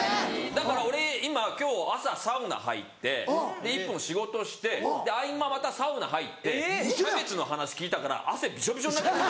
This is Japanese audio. だから俺今今日朝サウナ入って１本仕事して合間またサウナ入ってキャベツの話聞いたから汗びしょびしょになって。